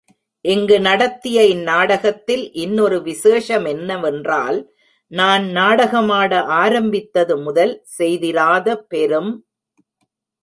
இங்கு நடத்திய இந்நாடகத்தில் இன்னொரு விசேஷ மென்னவென்றால், நான் நாடகமாட ஆரம்பித்தது முதல் செய்திராத பெரும்.